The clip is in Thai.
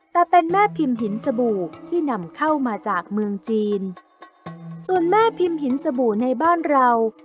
แต่เป็นแม่พิมพ์หินสบู่ที่นำเข้ามาจากเมืองจีนส่วนแม่พิมพ์หินสบู่ในบ้านเรา